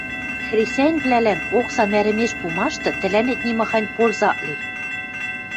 Хресӓньвлӓлӓн оксам ӓрӹмеш пумашты тӹлӓнет нимахань пользы ак ли.